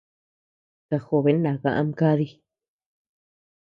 Kajobe naka ama kadi.